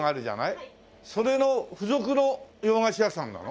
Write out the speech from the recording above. それの付属の洋菓子屋さんなの？